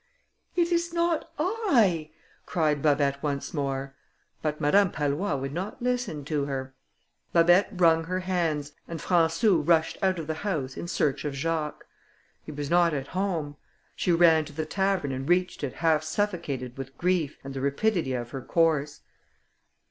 "It is not I," cried Babet once more; but Madame Pallois would not listen to her. Babet wrung her hands, and Françou rushed out of the house in search of Jacques. He was not at home; she ran to the tavern, and reached it half suffocated with grief and the rapidity of her course.